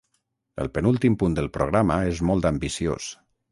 El penúltim punt del programa és molt ambiciós.